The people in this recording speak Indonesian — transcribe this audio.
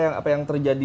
yang apa yang terjadi